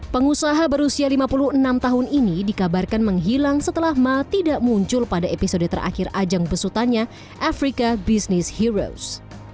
pengusaha berusia lima puluh enam tahun ini dikabarkan menghilang setelah ma tidak muncul pada episode terakhir ajang besutannya afrika business heroes